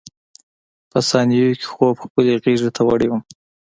په ثانیو کې خوب خپلې غېږې ته وړی وم.